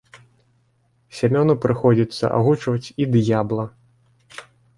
Сямёну прыходзіцца агучваць і д'ябла.